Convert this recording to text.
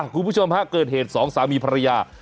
คุณผู้ชมฮะเกิดเหตุสองสามีภรรยา